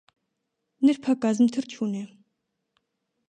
Նրբակազմ թռչուն է։